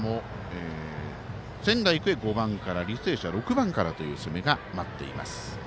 仙台育英、５番から履正社は６番からという攻めが待っています。